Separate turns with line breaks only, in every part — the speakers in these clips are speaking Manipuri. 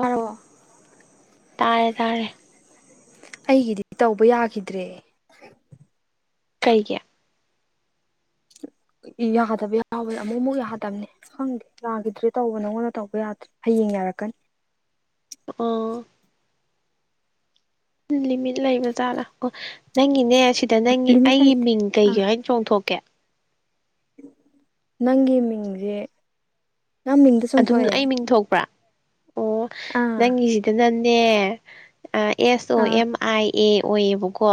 ꯇꯥꯔꯕꯣ
ꯇꯥꯔꯦ ꯇꯥꯔꯦ
ꯑꯩꯒꯤꯗꯤ ꯇꯧꯕ ꯌꯥꯈꯤꯗ꯭ꯔꯦ
ꯀꯩꯒꯤ
ꯌꯥꯗꯕ ꯌꯥꯎꯕꯅꯦ ꯑꯃꯨꯛ ꯑꯃꯨꯛ ꯌꯥꯗꯝꯅꯤ ꯈꯪꯗꯦ ꯌꯥꯈꯤꯗ꯭ꯔꯦ ꯇꯧꯕ ꯅꯪꯉꯣꯟꯗ ꯇꯧꯕ ꯌꯥꯗ꯭ꯔꯦ ꯍꯌꯦꯡ ꯍꯌꯦꯡ ꯌꯥꯔꯛꯀꯅꯤ
ꯑꯥ ꯂꯤꯃꯤꯠ ꯂꯩꯕꯖꯥꯠꯔꯥ ꯑꯣ ꯅꯪꯒꯤꯅꯦ ꯁꯤꯗ ꯅꯪꯒꯤ
ꯂꯤꯃꯤꯠ
ꯑꯩꯒꯤ
ꯂꯩꯇꯦ
ꯃꯤꯡ
ꯑꯥ
ꯀꯩꯀꯩ ꯍꯥꯏꯅ ꯆꯣꯡꯊꯣꯛꯀꯦ
ꯅꯪꯒꯤ ꯃꯤꯡꯁꯦ ꯅꯪ ꯃꯤꯡꯗ
ꯑꯗꯨꯝ
ꯆꯣꯡꯊꯣꯛꯑꯦ
ꯑꯩ ꯃꯤꯡ ꯊꯣꯛꯄ꯭ꯔꯥ ꯑꯣ
ꯑꯥ
ꯅꯪꯒꯤꯁꯤꯗꯅꯅꯦ ꯑꯦꯁ ꯑꯣ
ꯑꯥ
ꯑꯦꯝ ꯑꯥꯏ ꯑꯦ ꯑꯣꯏꯌꯦꯕꯀꯣ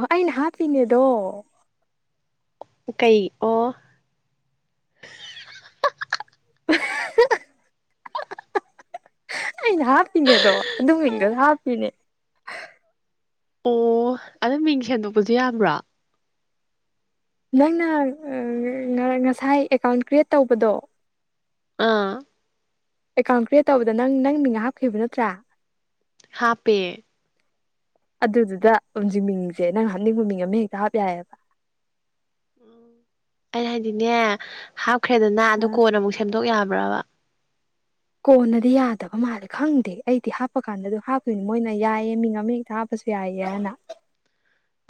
ꯑꯩꯅ ꯍꯥꯞꯄꯤꯅꯦ ꯑꯗꯣ
ꯀꯩ ꯑꯣ
ꯑꯩꯅ ꯍꯥꯞꯄꯤꯅꯦꯗꯣ ꯑꯗꯨꯢ ꯃꯤꯡꯗꯣ ꯍꯥꯞꯄꯤꯅꯦ
ꯑꯣ ꯑꯗꯨ ꯃꯤꯡ ꯁꯦꯝꯗꯣꯛꯄꯁꯨ ꯌꯥꯕ꯭ꯔꯣ
ꯅꯪꯅ ꯉꯁꯥꯏ ꯑꯦꯀꯥꯎꯟ ꯀ꯭ꯔꯤꯌꯦꯠ ꯇꯧꯕꯗꯣ
ꯑꯥ
ꯑꯦꯀꯥꯎꯟ ꯀ꯭ꯔꯤꯌꯦꯠ ꯇꯧꯕꯗ ꯅꯪ ꯅꯪ ꯃꯤ ꯍꯥꯞꯈꯤꯕ ꯅꯠꯇ꯭ꯔꯥ
ꯍꯥꯞꯄꯦ
ꯑꯗꯨꯗꯨꯗ ꯑꯁꯤ ꯃꯤꯡꯁꯦ ꯅꯪ ꯍꯥꯞꯅꯤꯡꯕ ꯃꯤꯡ ꯑꯃ ꯍꯦꯛꯇ ꯍꯥꯞ ꯌꯥꯏꯌꯦꯕ
ꯎꯝ ꯑꯩ ꯍꯥꯏꯗꯤꯅꯦ ꯍꯥꯞꯈ꯭ꯔꯦꯗꯅ
ꯑ
ꯑꯗꯨ ꯀꯣꯟ ꯑꯃꯨꯛ ꯁꯦꯝꯗꯣꯛ ꯌꯥꯕ ꯕ꯭ꯔꯥꯕ
ꯀꯣꯟꯅꯗꯤ ꯌꯥꯗꯕ ꯃꯥꯜꯂꯦ ꯈꯪꯗꯦ ꯑꯩꯗꯤ ꯍꯥꯞꯄ ꯀꯥꯟꯗ ꯍꯥꯞꯇꯣꯏꯅꯤ ꯃꯣꯏꯅ ꯌꯥꯏꯌꯦ ꯃꯤ ꯑꯃ ꯍꯦꯛꯇ ꯍꯥꯞꯄ ꯌꯥꯏꯌꯦ ꯍꯥꯢꯅ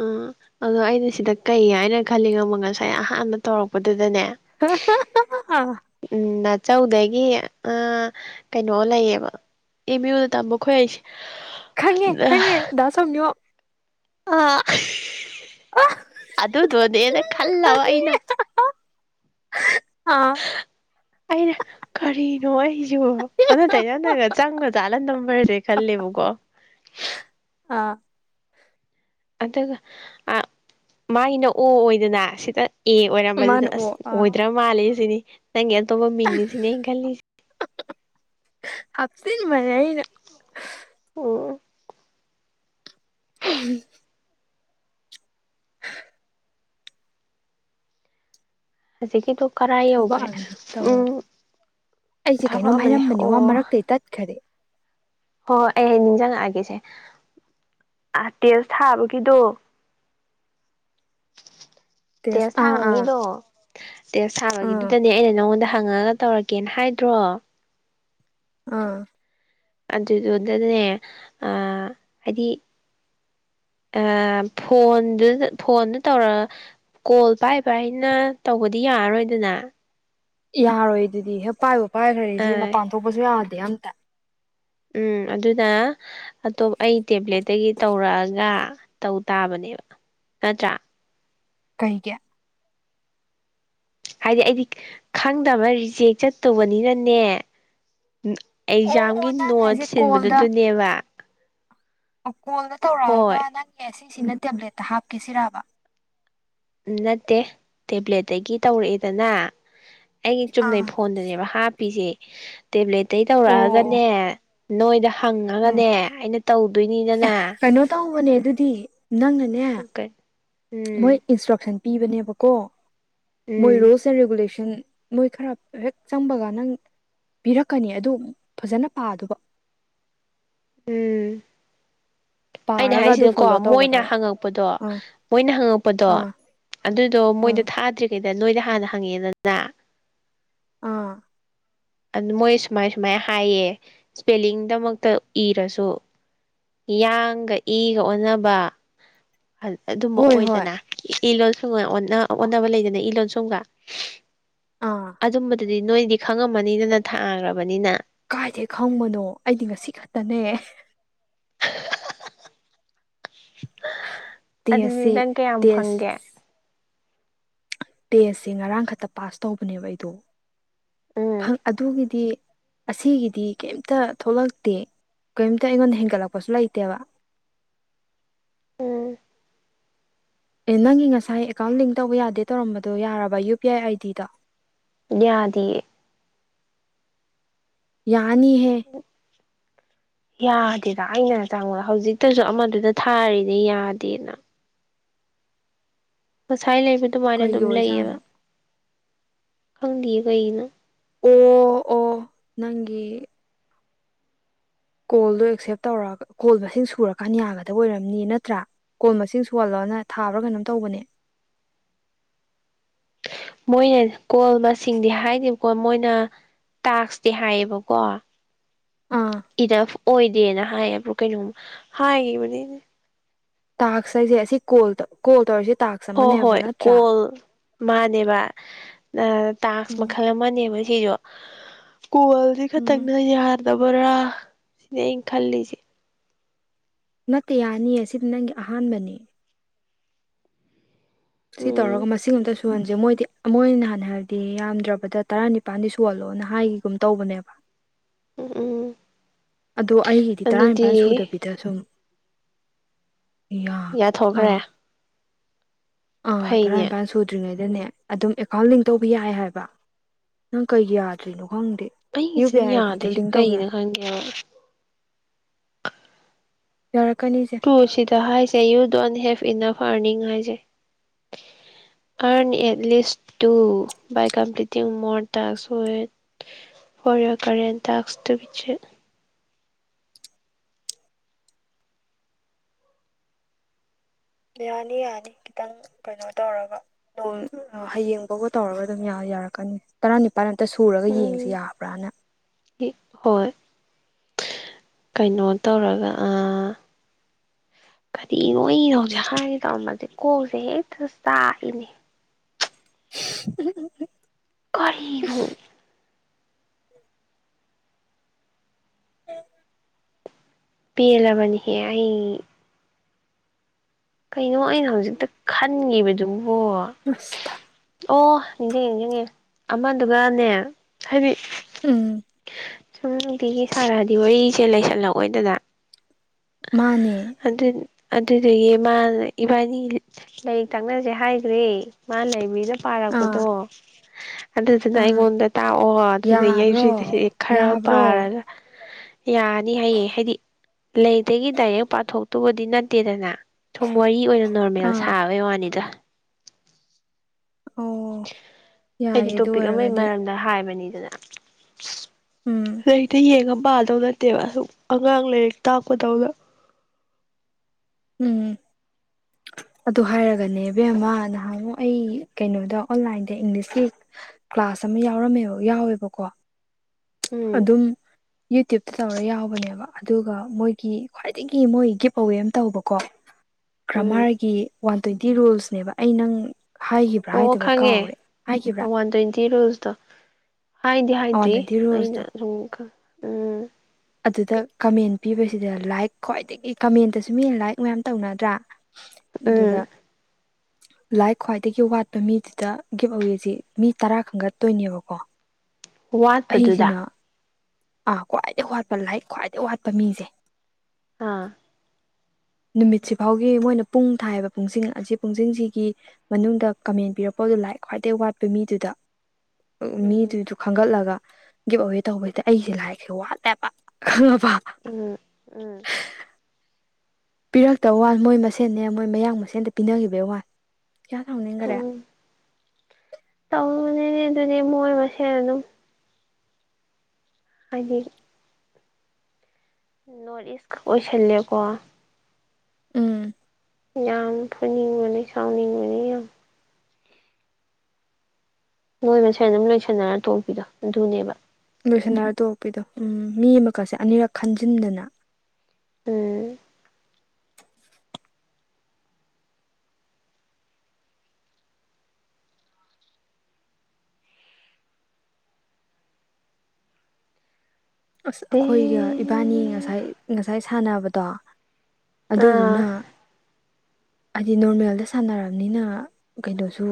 ꯎꯝ ꯑꯗꯣ ꯑꯩꯅ ꯁꯤꯗ ꯀꯩ ꯍꯥꯏꯅ ꯈꯜꯂꯤ ꯈꯪꯕ꯭ꯔꯥ ꯑꯃ ꯉꯁꯥꯏ ꯑꯍꯥꯟꯕ ꯇꯧꯔꯛꯄꯗ
ꯑꯥ
[unintelligible] ꯎꯝ [unintelligible] ꯆꯧꯗꯒꯤ ꯀꯩꯅꯣ ꯂꯩꯌꯦꯕ ꯑꯦ ꯃꯨꯢꯗ ꯇꯝꯕ ꯈꯣꯢꯁꯤ
ꯈꯪꯉꯦ ꯈꯪꯉꯦ ꯗꯥ ꯁ꯭ꯋꯥꯃꯤꯌꯣ
ꯑ ꯑꯗꯨꯗꯨꯣꯅꯦꯅ ꯈꯜꯂꯕ ꯑꯩꯅ
ꯑꯥ
ꯑꯩꯩꯅ ꯀꯔꯤꯅꯣ ꯑꯩꯁꯨ ꯑꯗꯨ ꯇꯩꯅꯗꯒ ꯆꯪꯒ ꯆꯥꯜꯂꯝꯗꯝꯃꯔꯁꯦ ꯈꯜꯂꯤ ꯕ ꯀꯣ
ꯑꯥ
ꯑꯗꯨꯒ ꯃꯥꯒꯤꯅ ꯑꯣ ꯑꯣꯏꯗꯅ ꯁꯤꯗ ꯑꯦ ꯑꯣꯏꯔꯝꯕꯗꯨꯗ
ꯃꯥꯅ
ꯑꯁ
ꯑꯣ ꯑꯥ
ꯑꯣꯏꯗ꯭ꯔ ꯃꯥꯜꯂꯦ ꯁꯤꯅꯤ ꯅꯪꯒꯤ ꯑꯇꯣꯞꯄ ꯃꯤꯡꯅꯤꯁꯤꯅꯦ ꯑꯩꯅ ꯈꯜꯂꯤꯁꯦ
ꯍꯥꯞꯁꯤꯅ ꯃꯅꯏꯅ
ꯑꯣ
ꯎꯝ [inaudible]
ꯍꯧꯖꯤꯛꯀꯤꯗꯣ ꯀꯔ
ꯊꯕꯛ
ꯌꯧꯈ꯭ꯔꯦ
ꯑꯃꯅꯤ ꯇꯧꯔꯦ
ꯎꯝ
ꯑꯩꯁꯦ
ꯊꯕꯛ
ꯀꯩꯅꯣꯝ
ꯑꯃꯅꯦ ꯑꯣ
ꯍꯥꯏꯔꯝꯕꯅꯤ ꯋꯥ ꯃꯔꯛꯇ ꯇꯠꯈꯔꯦ
ꯍꯣꯏ ꯍꯣꯏ ꯑꯩ ꯅꯤꯡꯁꯤꯡꯉꯛꯑꯒꯦꯁꯦ ꯑ ꯇꯦꯁ ꯊꯥꯕꯒꯤꯗꯣ ꯇꯦꯁ
ꯑꯥ ꯑꯥ
ꯁꯥꯕꯒꯤꯗꯣ ꯇꯦꯁ
ꯑꯥ
ꯁꯥꯕꯒꯤꯗꯨꯗꯅꯦ ꯑꯩꯅ ꯅꯪꯉꯣꯟꯗ ꯍꯪꯉꯒ ꯇꯧꯔꯒꯦꯅ ꯍꯥꯏꯗ꯭ꯔꯣ
ꯑꯥ
ꯑꯗꯨꯗꯨꯅꯅꯦ ꯑ ꯍꯥꯏꯗꯤ ꯑ ꯐꯣꯟꯗꯨ ꯐꯣꯟꯗ ꯇꯧꯔ ꯀꯣꯜ ꯄꯥꯏ ꯄꯥꯏꯅ ꯇꯧꯕꯗꯤ ꯌꯥꯔꯔꯣꯏꯗꯅ
ꯌꯥꯔꯣꯏ ꯑꯗꯨꯗꯤ ꯍꯦꯛ ꯄꯥꯏꯕ ꯄꯥꯏꯈ꯭ꯔꯦꯁꯤ
ꯑꯥ
ꯃꯄꯥꯟ ꯊꯣꯛꯄꯁꯨ ꯌꯥꯗꯦ ꯑꯝꯇ
ꯎꯝ ꯑꯗꯨꯅ ꯑꯇꯣꯞ ꯑꯩ ꯇꯦꯕ꯭ꯂꯦꯠꯇꯒꯤ ꯇꯧꯔꯛꯑꯒ ꯇꯧ ꯇꯥꯕꯅꯦꯕ ꯅꯠꯇ꯭ꯔꯥ
ꯀꯩ ꯀꯦ
ꯍꯥꯏꯗꯤ ꯑꯩꯗꯤ ꯈꯪꯗꯕ ꯔꯤꯖꯦꯛ ꯆꯠꯇꯧꯕꯅꯤꯅꯅꯦ
ꯑꯣ
ꯑꯦꯛꯖꯥꯝꯒꯤ
ꯑꯣ ꯅꯪꯅ
ꯅꯣꯠ
ꯍꯥꯏꯁꯦ
ꯁꯤꯟꯕꯗ ꯑꯗꯨꯅꯦꯕ
ꯑꯣ ꯀꯣꯜꯗ ꯇꯧꯔꯛꯑꯒ ꯅꯪꯒꯤ ꯑꯁꯤꯁꯤꯅ ꯇꯦꯕ꯭ꯂꯦꯠꯇ ꯍꯥꯞꯀꯦꯁꯤꯔꯔꯕ
ꯎꯝ ꯅꯠꯇꯦ ꯇꯦꯕ꯭ꯂꯦꯠꯇꯒꯤ ꯇꯧꯔꯛꯑꯦꯗꯅ ꯑꯩꯒꯤ ꯆꯨꯝꯅꯩ
ꯑꯥ
ꯐꯣꯟꯗꯅꯦꯕ ꯍꯥꯞꯄꯤꯁꯦ ꯇꯦꯕ꯭ꯂꯦꯠꯇꯩ
ꯑꯣ ꯑꯣ
ꯇꯧꯔꯛꯑꯒꯅꯦ ꯅꯣꯏꯗ
ꯎꯝ
ꯍꯪꯉꯒꯅꯦ ꯑꯩꯅ ꯇꯧꯗꯣꯏꯅꯤꯅꯅꯦ
ꯀꯩꯅꯣ ꯇꯧꯕꯅꯦ ꯑꯗꯨꯗꯤ ꯅꯪꯅꯅꯦ
ꯑꯣꯀꯦ
ꯃꯣꯏ ꯏꯟꯁꯇ꯭ꯔꯛꯁꯟ ꯄꯤꯕꯅꯦꯕꯀꯣ ꯃꯣꯏ
ꯎꯝ
ꯔꯨꯜꯁ ꯑꯦꯟ ꯔꯤꯒꯨꯂꯦꯁꯟ ꯅꯣꯏ ꯈꯔ ꯍꯦꯛ ꯆꯪꯕꯒ ꯅꯪ ꯄꯤꯔꯛꯀꯅꯤ ꯑꯗꯨ ꯐꯖꯅ ꯄꯥꯗꯕ
ꯎꯝ ꯑꯩꯅ
ꯄꯥꯔꯒ ꯑꯗꯨ
ꯍꯥꯏꯁꯤꯅꯀꯣ
ꯐꯣꯂꯣ
ꯃꯣꯏꯅ
ꯇꯧꯒꯗꯕ
ꯍꯪꯉꯛꯄꯗꯣ
ꯑꯥ
ꯃꯣꯏꯅ ꯍꯪꯉꯛꯄꯗꯣ
ꯑꯥ
ꯑꯗꯨꯗꯣ
ꯑꯥ
ꯃꯣꯏꯗ ꯊꯥꯗ꯭ꯔꯤ ꯀꯩꯗ ꯅꯣꯏꯗ ꯍꯥꯟꯅ ꯍꯪꯉꯛꯦꯗꯅ
ꯑꯥ
ꯑꯗꯨ ꯃꯣꯏ ꯁꯨꯃꯥꯏ ꯁꯨꯃꯥꯏ ꯍꯥꯏꯌꯦ ꯏꯁꯄꯦꯂꯤꯡꯗꯃꯛꯇ ꯏꯔꯁꯨ ꯌꯥꯡꯒ ꯏꯒ ꯑꯣꯟꯅꯕ ꯑꯗꯨꯃ
ꯍꯣꯏ ꯍꯣꯏ
ꯑꯣꯏꯗꯅ ꯏ ꯂꯣꯟꯁꯨꯡꯒ ꯑꯣꯟꯅꯕ ꯂꯩꯗꯅ ꯏ ꯂꯣꯟꯁꯨꯡꯒ
ꯑꯥ
ꯑꯗꯨꯝꯕꯗꯨꯗꯤ ꯅꯣꯏꯗꯤ ꯈꯪꯉꯝꯃꯅꯤꯅꯅ ꯊꯥꯈ꯭ꯔꯕꯅꯤꯅ
ꯀꯥꯏꯗꯦ ꯈꯪꯕꯅꯣ ꯑꯩꯗꯤ ꯉꯁꯤ ꯈꯛꯇꯅꯦ
[inaudible] ꯑꯗꯨꯗꯤ
ꯇꯁꯦ
ꯅꯪ ꯀꯌꯥꯝ
ꯇꯦꯁ
ꯐꯪꯒꯦ
ꯇꯦꯁꯁꯦ ꯉꯔꯥꯡꯈꯛꯇ ꯄꯥꯁ ꯇꯧꯕꯅꯦꯕ ꯑꯩꯗꯣꯪ ꯑꯗꯨꯒꯤꯗꯤ ꯑꯁꯤꯒꯤꯗꯤ ꯀꯩꯝꯇ ꯊꯣꯛꯂꯛꯇꯦ ꯀꯔꯤꯝꯇ ꯑꯩꯉꯣꯟꯗ ꯍꯦꯟꯒꯠꯂꯛꯄꯁꯨ ꯂꯩꯇꯦꯕ
ꯎꯝ
ꯑꯦ ꯅꯪꯒꯤ ꯉꯁꯥꯏ ꯑꯦꯀꯥꯎꯟ ꯂꯤꯡ ꯇꯧꯕ ꯌꯥꯗꯦ ꯇꯧꯔꯝꯕꯗꯣ ꯌꯥꯔꯕ ꯌꯨ ꯄꯤ ꯑꯥꯏ ꯑꯥꯏ ꯗꯤꯗ
ꯌꯥꯗꯌꯦ
ꯌꯥꯅꯤ ꯍ
[inaudible] ꯌꯥꯗꯦꯗ ꯑꯩꯅ ꯆꯪꯉꯣꯗ ꯍꯧꯖꯤꯛꯇꯁꯨ ꯑꯃꯗꯨꯗ ꯊꯥꯔꯤꯅꯦ ꯌꯥꯗꯦꯅ ꯁꯥꯏ ꯂꯩꯕ ꯑꯗꯨꯃꯥꯏꯅ
ꯀꯩꯒꯤ
ꯑꯗꯨꯝ ꯂꯩꯌꯦꯕ
ꯑꯣꯏꯖꯥꯠꯅꯣ
ꯈꯪꯗꯌꯦ ꯀꯩꯒꯤꯅꯣ
ꯑꯣ ꯑꯣ ꯅꯪꯒꯤ ꯀꯣꯜꯗꯣ ꯑꯦꯛꯁꯦꯞ ꯇꯧꯔ ꯀꯣꯜ ꯃꯁꯤꯡ ꯁꯨꯔꯀꯥꯟ ꯌꯥꯒꯗꯕ ꯑꯣꯏꯔꯝꯅꯤ ꯅꯠꯇ꯭ꯔꯥ ꯀꯣꯜ ꯃꯁꯤꯡ ꯁꯨꯍꯜꯂ ꯅ ꯊꯥꯕ꯭ꯔꯥ ꯀꯩꯅꯣꯝ ꯇꯧꯕꯅꯦ
[inaudible] ꯃꯣꯏꯅ ꯀꯣꯜ ꯃꯁꯤꯡꯗꯤ ꯍꯥꯏꯗꯕꯀꯣ ꯃꯣꯏꯅ ꯇꯥꯛꯁꯇꯤ ꯍꯥꯏꯌꯦꯕꯀꯣ
ꯑꯥ
ꯏꯗꯐ ꯑꯣꯏꯗꯦꯅ ꯍꯥꯏꯌꯦꯕ ꯀꯩꯅꯣꯝ ꯍꯥꯏꯈꯤꯕꯅꯦꯅꯦ
ꯇꯥꯁꯁꯦ ꯁꯤ ꯀꯣꯜ ꯀꯣꯜ ꯇꯧꯔꯁꯤ
ꯍ ꯍꯣꯏ ꯀꯣꯜ ꯃꯥꯅꯦꯕ ꯇꯥꯡꯁ
ꯎꯝ
ꯃꯈꯜ ꯑꯃꯅꯦꯕ ꯁꯤꯁꯨ ꯀ꯭ꯀꯣꯜꯗꯤ
ꯎꯝ
ꯈꯛꯇꯪꯅ ꯌꯥꯗꯕꯔꯥ ꯁꯤꯅꯦ ꯑꯩꯅ ꯈꯜꯂꯤꯁꯦ
ꯅꯠꯇ ꯌꯥꯅꯤ ꯑꯁꯤꯗꯤ ꯅꯪꯒꯤ ꯑꯍꯥꯟꯕꯅꯤ ꯁꯤ
ꯎꯝ
ꯇꯧꯔꯒ ꯃꯁꯤꯡꯒꯝꯇ ꯁꯨꯣꯟꯁꯦ ꯃꯣꯏꯗꯤ ꯃꯣꯏ ꯅꯍꯥꯟ ꯍꯥꯏꯕꯗꯤ ꯌꯥꯝꯗ꯭ꯔꯕꯗ ꯇꯔꯥꯅꯤꯄꯥꯜꯗꯤ ꯁꯣꯍꯜꯂꯣꯅ ꯍꯥꯏꯒꯒꯨꯝ ꯇꯧꯕꯅꯦꯕ
ꯎꯝ ꯎꯝ
ꯑꯗꯣ ꯑꯩꯒꯤꯗꯤ
ꯑꯗꯨꯗꯤ
ꯇꯔꯥꯅꯤꯄꯥꯜ ꯁꯨꯗꯕꯤꯗ ꯁꯨꯝ ꯌꯥꯔ
ꯌꯥꯊꯣꯛꯈ꯭ꯔꯦ
ꯑꯥ ꯑ
ꯐꯩꯅꯦ
ꯇꯧꯔꯄꯥꯦ ꯁꯣꯇ꯭ꯔꯤꯉꯦ ꯅꯦ ꯑꯗꯨꯝ ꯑꯦꯀꯥꯎꯟ ꯂ ꯇꯧꯕ ꯌꯥꯏ ꯍꯥꯏꯕ ꯅꯪ ꯀꯩ ꯌꯥꯗꯣꯏꯔꯤꯅꯣ ꯈꯪꯗꯦ ꯌꯨ ꯄꯤ
ꯑꯩꯒꯤꯁꯤꯅ
ꯑꯥꯏ ꯑꯥꯏ ꯗꯤꯗꯨ
ꯌꯥꯗ꯭ꯔꯤꯁꯦ
ꯂꯤꯡ ꯇꯧꯕꯧꯕ
ꯀꯩꯒꯤꯅꯣ
ꯌꯥꯏ
ꯈꯪꯗꯦꯕ
ꯌꯥꯔꯛꯀꯅꯤ ꯏꯆꯦ
ꯇꯨ ꯁꯤꯗ ꯍꯥꯏꯁꯦ U Don help in of earning ꯍꯥꯏꯁꯦ earn at least to by complete more ꯇꯠ ꯍꯔ ꯀꯔ ꯇ ꯑꯁꯕꯤꯦ
ꯌꯥꯅꯤ ꯌꯥꯅꯤ ꯈꯤꯇꯪ ꯀꯩꯅꯣ ꯇꯧꯔꯒ ꯅꯣꯡ ꯍꯌꯦꯡꯐꯥꯎꯕ ꯇꯧꯔꯒ ꯑꯗꯨꯝ ꯌꯥꯏ ꯌꯥꯔꯛꯀꯅꯤ ꯇꯔꯥꯅꯤꯄꯥꯜ ꯑ ꯁꯨꯔꯒ ꯌꯦꯡꯁꯤ
ꯎꯝ
ꯌꯥꯕ꯭ꯔꯥꯅ
ꯍꯣꯏ ꯀꯩꯅꯣ ꯇꯧꯔꯒ ꯑꯥ ꯀꯔꯤꯅꯣꯅꯣ ꯍꯧꯖꯤꯛ ꯍꯥꯏꯒꯦ ꯇꯧꯔꯝꯃꯗꯤꯦ ꯀꯣꯛꯁꯦ ꯍꯦꯛꯇ ꯆꯥꯛꯏꯅꯦ
[inaudible]
ꯀꯔꯤꯕꯨ
ꯑꯣ
ꯄꯦꯜꯂꯕꯅꯤꯍꯦ ꯑꯩ ꯀꯩꯅꯣ ꯑꯩꯅ ꯍꯧꯖꯤꯛꯇ ꯈꯟꯉꯕꯗꯨꯕꯣ
ꯑꯁ
ꯑꯣ ꯅꯤꯡꯁꯤꯡꯉꯦ ꯅꯤꯡꯁꯤꯡꯉꯦ ꯑꯃꯗꯨꯒꯅꯦ ꯍꯥꯏꯗꯤ
ꯎꯝ
ꯁꯨꯝ ꯅꯨꯡꯇꯤꯒꯤ ꯁꯥꯔꯗꯤ ꯋꯥꯔꯤꯁꯦ ꯂꯩꯁꯜꯂꯛꯑꯣꯏꯗꯗ
ꯃꯥꯅꯦ
ꯑꯗꯨꯗꯒꯤ ꯃꯥ ꯏꯕꯥꯅꯤ ꯂꯥꯏꯔꯤꯛ ꯇꯥꯛꯅꯁꯦ ꯍꯥꯏꯈ꯭ꯔꯦ ꯃꯥ ꯂꯩꯃꯤꯅ
ꯑꯥ
ꯄꯥꯔꯛꯄꯗꯣ ꯑꯗꯨꯗꯨꯅ
ꯑꯥ
ꯑꯩꯉꯣꯟꯗ ꯇꯥꯛꯑꯣ ꯑꯗꯨꯗꯤ
ꯌꯥꯕ꯭ꯔꯣ
ꯌꯩꯁꯤꯨꯗ ꯁꯤ ꯈꯔ
ꯌꯥꯕ꯭ꯔꯣ
ꯄꯥꯔꯒ ꯌꯥꯅꯤ ꯍꯥꯏꯌꯦ ꯍꯥꯏꯗꯤ ꯂꯩꯗꯒꯤ ꯗꯥꯏꯔꯦꯛ ꯄꯥꯊꯣꯛꯇꯨꯕꯗꯤ ꯅꯠꯇꯦꯗꯅ ꯊꯨꯝ ꯋꯥꯔꯤ ꯑꯣꯏꯅ ꯅꯣꯔꯃꯦꯜ
ꯑꯥ
ꯁꯥꯕꯩ ꯋꯥꯅꯤꯗ
ꯑꯣ
ꯑꯩꯗꯤ
ꯌꯥꯏꯌꯦ ꯑꯗꯨ
ꯇꯣꯄꯤꯛ ꯑꯃꯒꯤ
ꯑꯣꯏꯔꯒꯗꯤ
ꯃꯔꯝꯗ ꯍꯥꯏꯕꯅꯤꯗꯅ
ꯎꯝ
ꯍꯛꯇ ꯌꯦꯡꯉ ꯄꯥꯗꯧ ꯅꯠꯇꯦꯕ ꯑꯗꯨ ꯑꯉꯥꯡ ꯂꯥꯏꯔꯤꯛ ꯇꯥꯛꯄꯗꯧꯗ
ꯎꯝ ꯑꯗꯨ ꯍꯥꯏꯔꯒꯅꯦ ꯏꯕꯦꯝꯃ ꯅꯍꯥꯟꯃꯨꯛ ꯑꯩ ꯀꯩꯅꯣꯗ ꯑꯣꯟꯂꯥꯏꯟꯗ ꯏꯪꯂꯤꯁꯀꯤ ꯀ꯭ꯂꯥꯁ ꯑꯃ ꯌꯥꯎꯔꯝꯃꯦꯕ ꯌꯥꯎꯋꯦꯕꯀꯣ
ꯎꯝ
ꯑꯗꯨꯝ ꯌꯨꯇ꯭ꯌꯨꯕꯇ ꯇꯧꯔ ꯌꯥꯎꯕꯅꯦꯕ ꯑꯗꯨꯒ ꯃꯣꯏꯒꯤ ꯈ꯭ꯋꯥꯏꯗꯒꯤ ꯃꯣꯏ ꯒꯤꯞ ꯑꯋꯦ ꯑꯃ ꯇꯧꯕꯀꯣ
ꯎꯝ
ꯀ꯭ꯔꯃꯥꯔꯒꯤ ꯋꯥꯟ ꯇ꯭ꯋꯦꯟꯇꯤ ꯔꯨꯜꯁꯅꯦꯕ ꯑꯩ ꯅꯪ ꯍꯥꯏꯈꯤꯕ꯭ꯔꯥ
ꯑꯣ
ꯍꯥꯏꯗꯕ꯭ꯔꯥ
ꯈꯪꯉꯦ
ꯀꯥꯎꯔꯦ ꯍꯥꯏꯈꯤꯕ꯭ꯔꯥ
ꯋꯥꯟ ꯇ꯭ꯋꯦꯟꯇꯤ ꯔꯨꯜꯁꯇꯣ ꯍꯥꯏ ꯗꯤ
ꯋꯥꯟ
ꯍꯥꯏꯗ꯭ꯔꯤ
ꯇ꯭ꯋꯦꯟꯇꯤ
ꯑꯩꯅ
ꯔꯨꯜꯁꯇꯣ
ꯑꯗꯨꯝ ꯎꯝ
ꯑꯗꯨꯗ ꯀꯃꯦꯟ ꯄꯤꯕꯁꯤꯗ ꯂꯥꯏꯛ ꯈ꯭ꯋꯥꯏꯗꯒꯤ ꯀꯃꯦꯟꯇꯁꯨ ꯃꯤꯅ ꯂꯥꯏꯛ ꯃꯌꯥꯝ ꯇꯧꯅꯗ꯭ꯔꯥ ꯑꯗꯨꯗ
ꯎ
ꯂꯥꯏ ꯈ꯭ꯋꯥꯏꯗꯒꯤ ꯋꯥꯠꯄ ꯃꯤꯗꯨꯗ ꯒꯤꯐ ꯑꯋꯦꯁꯤ ꯃꯤ ꯇꯔꯥ ꯈꯟꯒꯠꯇꯣꯏꯅꯦꯕꯀꯣ
ꯋꯥꯠꯄꯗꯨꯗ
ꯑꯩꯁꯤꯅ ꯑꯥ ꯈ꯭ꯋꯥꯏꯗꯒꯤꯩ ꯋꯥꯠꯄ ꯂꯥꯏꯛ ꯈ꯭ꯋꯥꯏꯗꯩ ꯋꯥꯠꯄ ꯃꯤꯁꯦ
ꯍꯥꯥ
ꯅꯨꯃꯤꯠꯁꯤ ꯐꯥꯎꯒꯤ ꯃꯣꯏꯅ ꯄꯨꯡ ꯊꯥꯏꯕ ꯄꯨꯡꯁꯤꯡ ꯑꯁꯤ ꯄꯨꯡꯁꯤꯡꯁꯤꯒꯤ ꯃꯅꯨꯡꯗ ꯀꯃꯦꯟ ꯄꯤꯔꯛꯄ ꯈꯠꯄ
ꯎꯝ
ꯈ ꯒꯤꯞ ꯑꯋꯦ ꯇꯧꯕꯁꯤꯁꯦ ꯑꯩꯁꯦ ꯂꯥꯏꯔꯤꯛꯁꯦ ꯋꯥꯠꯂꯦꯕ
ꯎꯝ ꯎꯝ
ꯄꯤꯔꯛꯇꯕ ꯋꯥꯅꯤ ꯃꯣꯏ ꯃꯁꯦꯟꯅꯦ ꯃꯣꯏ ꯃꯌꯥꯡ ꯃꯁꯦꯟꯗ ꯄꯤꯅꯈꯤꯕꯩ ꯋꯥꯅꯤ ꯀꯌꯥ ꯊꯥꯡꯅꯤꯡꯈꯔꯦ
ꯇꯧꯅꯤꯅꯦ ꯑꯗꯨꯅꯦ ꯃꯣꯏ ꯃꯁꯦꯟ ꯑꯗꯨꯝ ꯍꯥꯏꯦ ꯅꯣꯔꯠ ꯏꯁ ꯑꯣꯏꯣꯏꯁꯟꯂꯦꯀꯣ
ꯎꯝ
ꯌꯥꯝ ꯐꯨꯅꯤꯡꯕꯅꯤ ꯁꯥꯎꯅꯤꯡꯕꯅꯤ ꯌꯥꯝ ꯅꯣꯏ ꯃꯁꯦꯟ ꯑꯗꯨꯝ ꯂꯣꯏꯁꯟꯅꯔ ꯇꯣꯛꯄꯤꯗꯣ ꯑꯗꯨꯅꯦꯕ
ꯇꯁꯟꯅꯔ ꯇꯄꯤꯗꯣ ꯎꯝ ꯃꯤ ꯑꯃꯈꯛꯁꯦ ꯑꯅꯤꯔꯛ ꯈꯟꯖꯤꯟꯗꯅ
ꯎꯝ
ꯑꯁ ꯑꯩꯈꯣꯏꯒ ꯏꯄꯥꯅꯤ ꯉꯁꯥꯏ ꯉꯁꯥꯏ ꯁꯥꯟꯅꯕꯗꯣ ꯑꯗꯨꯗꯨꯅ
ꯑꯥ
ꯍꯥꯏꯗꯤ ꯅꯣꯔꯃꯦꯜꯗ ꯁꯥꯟꯅꯔꯕꯅꯤꯅ ꯀꯩꯅꯣꯁꯨ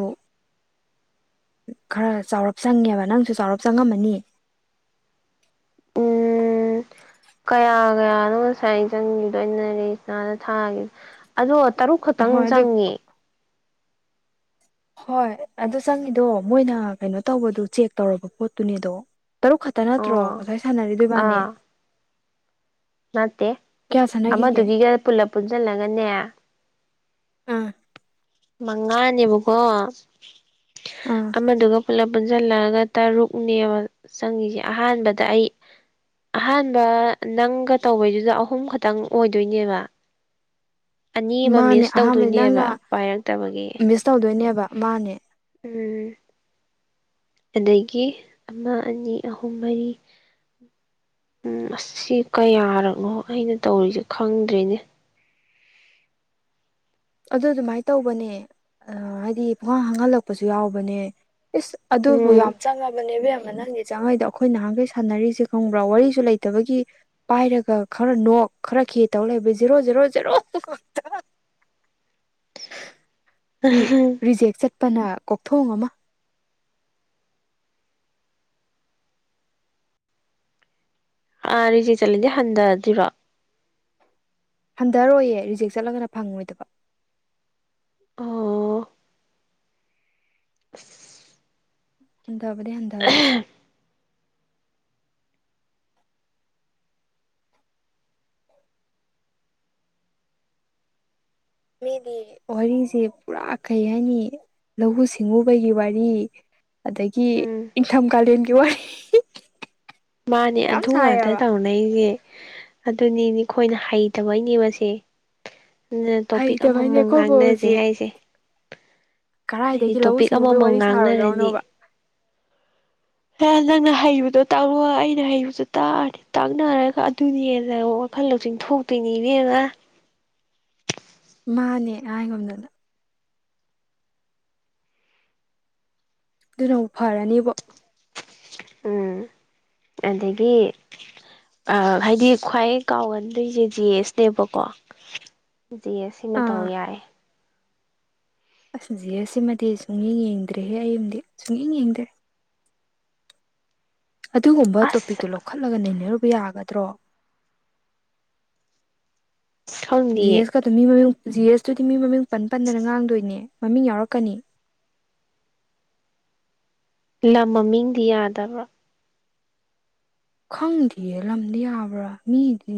ꯈꯔ ꯆꯥꯎꯔꯞ ꯆꯪꯉꯦꯕ ꯅꯪꯁꯨ ꯆꯥꯎꯔꯞ ꯆꯪꯉꯝꯃꯅꯤ
ꯎꯝ ꯀꯌꯥ ꯀꯌꯥꯅꯣ ꯉꯁꯥꯏ ꯑ ꯆꯪꯈꯤꯗꯩꯅ ꯔꯦꯁꯅꯥꯅ ꯊꯥꯈꯤ ꯑꯗ ꯇꯔꯨꯛ ꯈꯛꯇꯪ
ꯍꯣꯏ ꯑꯗꯨ
ꯆꯪꯉꯦ
ꯍꯣꯏ ꯑꯗꯨ ꯆꯪꯉꯤꯗꯣ ꯃꯣꯏꯅ ꯀꯩꯅꯣ ꯇꯧꯕꯗꯨ ꯆꯦꯛ ꯇꯧꯔꯕ ꯄꯣꯠꯇꯨꯅꯦꯗꯣ ꯇꯔꯨꯛ ꯈꯛꯇ ꯅꯠꯇ꯭ꯔꯣ
ꯑꯣ
ꯉꯁꯥꯏ ꯁꯥꯟꯅꯔꯤꯗꯣꯏꯕꯥꯅꯦ
ꯑꯥ ꯅꯠꯇꯦ
ꯁꯥꯟꯅꯈꯤꯒꯦ
ꯑꯃꯗꯨꯒꯤꯒ ꯄꯨꯂ ꯄꯨꯟꯁꯤꯜꯂꯒꯅꯦ
ꯑꯥ
ꯃꯉꯥꯅꯦꯕꯀꯣ
ꯑꯥ
ꯑꯃꯗꯨꯒ ꯄꯨꯂꯞ ꯄꯨꯟꯁꯤꯜꯂꯒ ꯇꯔꯨꯛꯅꯦꯕ ꯆꯪꯉꯁꯤꯦ ꯑꯍꯥꯟꯕꯗ ꯑꯩ ꯑꯍꯥꯟꯕ ꯅꯪꯒ ꯇꯧꯕꯩꯗꯨꯗ ꯑꯍꯨꯝ ꯈꯛꯇꯪ ꯑꯣꯏꯗꯣꯏꯅꯦꯕ ꯑꯅꯤ ꯑꯃ
ꯃꯥꯅꯦ
ꯃꯤꯁ
ꯑꯍꯥꯟꯕꯗꯤ
ꯇꯧꯗꯣꯏꯅꯦꯕ
ꯅꯪꯅ
ꯄꯥꯏꯔꯛꯇꯕꯒꯤ
ꯃꯤꯁ ꯇꯧꯗꯣꯏꯅꯦꯕ ꯃꯥꯅꯦ
ꯎꯝ ꯑꯗꯒꯤ ꯑꯃ ꯑꯅꯤ ꯑꯍꯨꯝ ꯃꯔꯤ ꯎꯝ ꯑꯁꯤ ꯀꯌꯥꯔꯛꯅꯣ ꯑꯩꯅ ꯇꯧꯔꯤꯁꯦ ꯈꯪꯗ꯭ꯔꯔꯤꯅꯦ
ꯑꯗꯨ ꯑꯗꯨꯃꯥꯏꯅ ꯇꯧꯕꯅꯦ ꯍꯥꯏꯗꯤ ꯈꯨꯡꯍꯥꯡ ꯍꯥꯡꯍꯜꯂꯛꯄꯁꯨ ꯌꯥꯎꯕꯅꯦ ꯏꯁ ꯑꯗꯨꯕꯨ
ꯎꯝ
ꯌꯥꯝ ꯆꯪꯉꯕꯅꯦꯕꯦꯝ ꯅꯪꯒꯤ ꯆꯥꯡꯍꯩꯗꯣ ꯑꯩꯈꯣꯏ ꯅꯍꯥꯟꯈꯩ ꯁꯥꯟꯅꯔꯤꯁꯦ ꯈꯪꯕ꯭ꯔꯥ ꯋꯥꯔꯤꯁꯨ ꯂꯩꯇꯕꯒꯤ ꯄꯥꯏꯔꯒ ꯈꯔ ꯅꯣꯛ ꯈꯔ ꯈꯦ ꯇꯧ ꯂꯩꯕ ꯖꯦꯔꯣ ꯖꯦꯔꯣ ꯖꯦꯔꯣ
[inaudible]
ꯔꯤꯖꯦꯛ ꯆꯠꯄꯅ ꯀꯣꯛꯊꯣꯡ ꯑꯃ
ꯑꯥ ꯔꯤꯆꯠ ꯆꯠꯂꯗꯤ ꯍꯟꯊꯗ꯭ꯔꯤꯕ
ꯍꯟꯊꯔꯣꯏꯌꯦꯦ ꯔꯤꯖꯦꯛ ꯆꯠꯂꯒꯅ ꯐꯪꯉꯣꯏꯗꯕ
ꯑꯣ [inaudible]
ꯍꯟꯊꯕꯗꯤ ꯍꯟꯊꯔꯣꯏ ꯃꯤꯗꯤ ꯋꯥꯔꯤꯁꯦ ꯄꯨꯔꯥ ꯀꯩ ꯍꯥꯏꯅꯤ ꯂꯧꯎ ꯁꯤꯡꯎꯕꯒꯤ ꯋꯥꯔꯤ ꯑꯗꯒꯤ
ꯎꯝ
ꯏꯪꯊꯝ ꯀꯥꯂꯦꯟꯒꯤ ꯋꯥꯔꯤ
ꯃꯥꯅꯦ
ꯃꯌꯥꯝ
ꯑꯟꯊꯨ ꯉꯥꯛꯇ
ꯁꯥꯏꯌꯦꯕ
ꯇꯧꯅꯩꯁꯦ ꯑꯗꯨꯅꯤꯅꯦ ꯑꯩꯈꯣꯏꯅ ꯍꯩꯇꯕꯩꯅꯦꯕꯁꯦ ꯇꯣꯄꯤꯛ
ꯍꯩꯇꯕꯩꯅꯦ
ꯑꯃꯃꯝ
ꯑꯩꯈꯣꯏꯕꯨ
ꯉꯥꯡꯅꯁꯦ
ꯍꯧꯖꯤꯛ
ꯍꯥꯏꯁꯦ ꯍꯥꯏꯗꯤ
ꯀꯗꯥꯏꯗꯒꯤ ꯂꯧꯎ
ꯇꯣꯄꯤꯛ
ꯁꯤꯡꯎꯕꯒꯤ
ꯑꯃꯃꯝ
ꯋꯥꯔꯤ
ꯉꯥꯡꯅꯔꯗꯤ
ꯁꯥꯔꯨꯗꯧꯅꯣꯕ
ꯍ ꯅꯪꯅ ꯍꯩꯕꯗꯣ ꯇꯥꯛꯂꯣꯑꯣ ꯑꯩꯅ ꯍꯩꯕꯗꯣ ꯇꯥꯛꯔꯗꯤ ꯇꯥꯛꯅꯔꯒ ꯑꯗꯨꯅꯤ ꯍꯟꯅ ꯋꯥꯈꯜ ꯂꯧꯁꯤꯡꯤꯡ ꯊꯣꯛꯇꯣꯏꯅꯤꯅꯦ ꯉ
ꯃꯥꯅꯦ ꯑꯩꯉꯣꯗꯨꯗ ꯑꯗꯨꯅꯕꯨ ꯐꯔꯅꯦꯕ
ꯎꯝ ꯑꯗꯒꯤ ꯑ ꯍꯥꯏꯗꯤ ꯈ꯭ꯋꯥꯏ ꯀꯥꯎꯒꯟꯗꯣꯏꯁꯦ ꯖꯤꯦ ꯑꯦꯁꯅꯦꯕꯀꯣ ꯖꯤ ꯑꯦ ꯁꯤꯃ ꯇꯧ ꯌꯥꯏ
ꯑꯁꯗꯤ ꯁꯤꯃꯗꯤ ꯁꯨꯡꯌꯦꯡ ꯌꯦꯡꯗ꯭ꯔꯦꯍꯦ ꯑꯩ ꯑꯃꯗꯤꯗꯤ ꯁꯨꯡꯌꯦꯡ ꯌꯦꯡꯗ꯭ꯔꯦ ꯑꯗꯨꯒꯨꯝꯕ
ꯑꯁ
ꯇꯣꯄꯤꯛꯇꯨ ꯂꯧꯈꯠꯂꯒ ꯅꯩꯅꯔꯨꯕ ꯌꯥꯒꯗ꯭ꯔꯣ ꯖꯤ
ꯈꯪꯗꯤꯌꯦ
ꯑꯦꯁꯀꯛꯇ ꯃꯤ ꯃꯃꯤꯡ ꯖꯤ ꯑꯦꯁꯇꯨꯗꯤ ꯃꯤ ꯃꯃꯤꯡ ꯄꯟ ꯄꯟꯗꯅ ꯉꯥꯡꯗꯣꯏꯅꯦ ꯃꯃꯤꯡ ꯌꯥꯎꯔꯛꯀꯅꯤ
ꯂꯝ ꯃꯃꯤꯡꯗꯤ ꯌꯥꯗꯕ꯭ꯔꯥ
ꯈꯪꯗꯦ ꯂꯝꯗꯤ ꯌꯥꯕ꯭ꯔꯥ ꯃꯤꯗꯤ